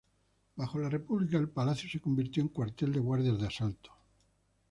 Bajo la República, el palacio se convirtió en cuartel de guardias de Asalto.